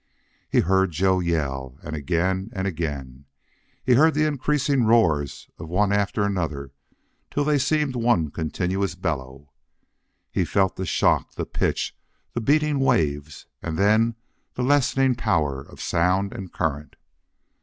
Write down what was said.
He heard Joe yell and again and again. He heard the increasing roars one after another till they seemed one continuous bellow. He felt the shock, the pitch, the beating waves, and then the lessening power of sound and current.